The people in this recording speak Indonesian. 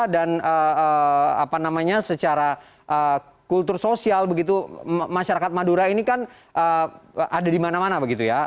dan apa namanya secara kultur sosial begitu masyarakat madura ini kan ada di mana mana begitu ya